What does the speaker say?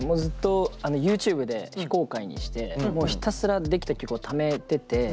ずっとＹｏｕＴｕｂｅで非公開にしてひたすら出来た曲をためてて。